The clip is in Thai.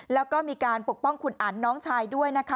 แล้วก็มีการปกป้องคุณอันน้องชายด้วยนะคะ